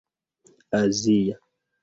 azia